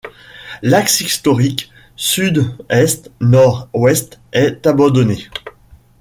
L'axe historique sud-est - nord-ouest est abandonné.